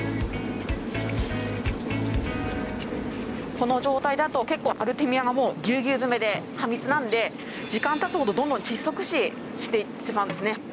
この状態だと結構アルテミアがもうぎゅうぎゅう詰めで過密なんで時間たつほどどんどん窒息死していってしまうんですね。